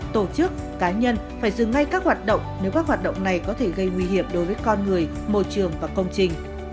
tổ chức cá nhân phải dừng ngay các hoạt động nếu các hoạt động này có thể gây nguy hiểm đối với con người môi trường và công trình